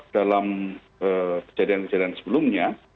dalam kejadian kejadian sebelumnya